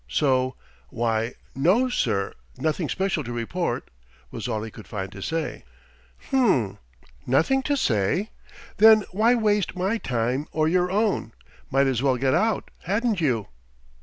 So, "Why, no sir, nothing special to report," was all he could find to say. "H m. Nothing to say? Then why waste my time or your own? Might as well get out, hadn't you?"